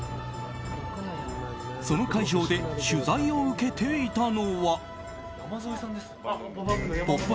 その会場で取材を受けていたのは「ポップＵＰ！」